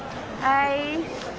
はい。